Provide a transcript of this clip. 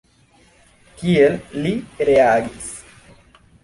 Kiel li reagis?